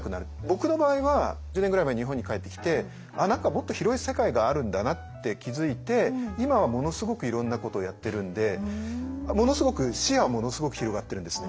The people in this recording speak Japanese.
僕の場合は１０年ぐらい前に日本に帰ってきて何かもっと広い世界があるんだなって気付いて今はものすごくいろんなことをやってるんでものすごく視野はものすごく広がってるんです。